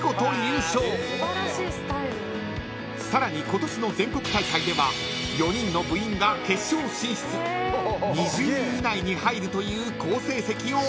［さらに今年の全国大会では４人の部員が決勝進出２０位以内に入るという好成績を収めた］